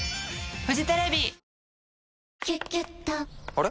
あれ？